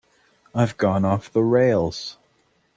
I've gone off the rails.